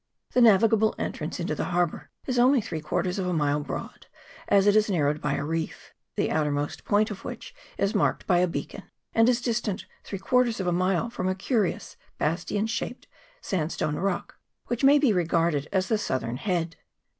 The navigable entrance into the harbour is only three quarters of a mile broad, as it is narrowed by a reef, the outermost point of which is marked by a beacon, and is dis tant three quarters of a mile from a curious bastion shaped sandstone rock, which may be regarded as the southern head.